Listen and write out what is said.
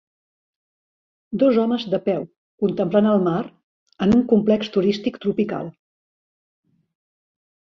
Dos homes de peu contemplant el mar en un complex turístic tropical.